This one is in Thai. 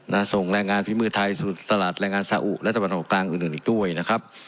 ส่งแรงงานฝีมือไทยสู่ตลาดแรงงานสาอุและตะวันออกกลางอื่นอื่นอีกด้วยนะครับ